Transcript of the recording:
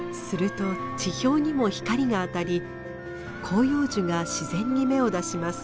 すると地表にも光が当たり広葉樹が自然に芽を出します。